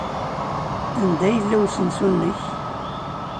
Anda yella usensu-nnek?